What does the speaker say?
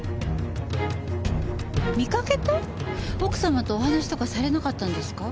奥様とお話とかされなかったんですか？